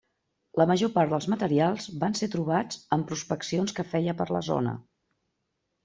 La major part dels materials van ser trobats en prospeccions que feia per la zona.